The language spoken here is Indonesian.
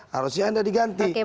harusnya anda diganti